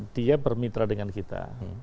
dia bermitra dengan kita